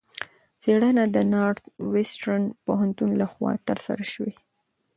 څېړنه د نارت وېسټرن پوهنتون لخوا ترسره شوې.